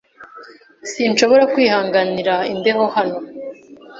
Sinshobora kwihanganira imbeho hano.